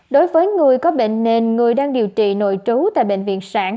đối với người có bệnh nền người đang điều trị nội trú tại bệnh viện sản